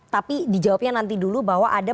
tapi dijawabnya nanti dulu bahwa ada